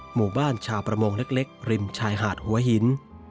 หมู่บ้านชาวประมงเล็กริมชายหาดหัวหิน